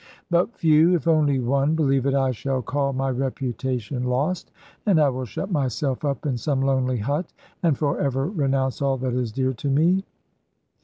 "But few! if only one believe it, I shall call my reputation lost, and I will shut myself up in some lonely hut, and for ever renounce all that is dear to me!"